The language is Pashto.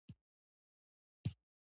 استاد د خلکو د زړونو فاتح دی.